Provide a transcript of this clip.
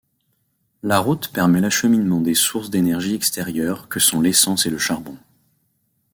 La route permet l'acheminement des sources d'énergie extérieures que sont l'essence et le charbon.